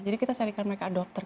jadi kita carikan mereka dokter